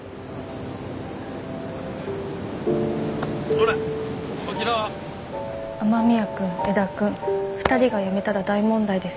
ほら起きろ雨宮君江田君２人が辞めたら大問題です